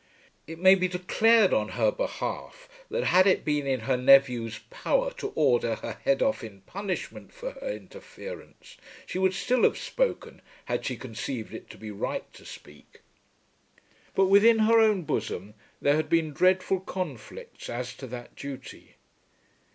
It may be declared on her behalf that had it been in her nephew's power to order her head off in punishment for her interference, she would still have spoken had she conceived it to be right to speak. But within her own bosom there had been dreadful conflicts as to that duty.